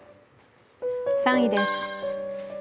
３位です。